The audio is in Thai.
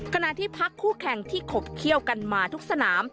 ขณะที่พักคู่แข่งที่ขบเขี้ยวกันมาทุกสนาม